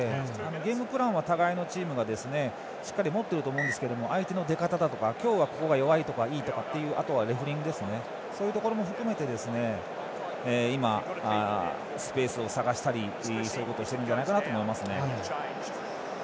ゲームプランは互いのチームがしっかり持っていると思うんですけれども相手の出方だとか今日はここが弱いとか、いいとかあとはレフェリングそういうところも含めてスペースを探したりとかをしているんだと思います。